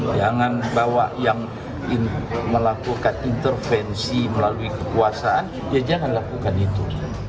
jangan bawa yang melakukan intervensi melalui kekuasaan ya jangan lakukan itu